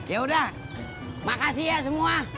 yaudah makasih ya semua